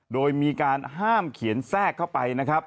โดยมีการห้ามเขียนแทรกเข้าไป